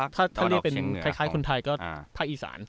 ถ้าเรียกเป็นคล้ายคนไทยก็ภาคอีสาน